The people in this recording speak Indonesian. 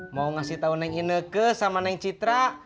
mau ngasih tau neng ine ke sama neng citra